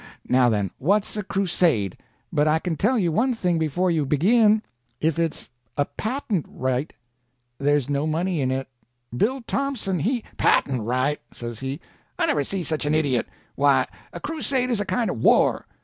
Now, then, what's a crusade? But I can tell you one thing before you begin; if it's a patent right, there's no money in it. Bill Thompson he—" "Patent right!" says he. "I never see such an idiot. Why, a crusade is a kind of war."